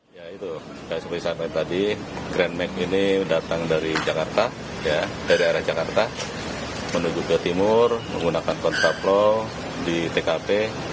seperti yang saya katakan tadi grand mag ini datang dari jakarta dari area jakarta menuju ke timur menggunakan kontrol low di tkp